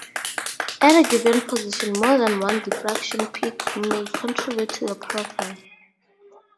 At a given position more than one diffraction peak may contribute to the profile.